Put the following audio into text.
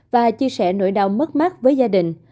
và chia sẻ nỗi đau mất mát với gia đình